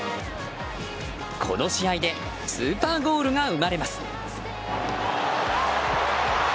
この試合でスーパーゴールが生まれます。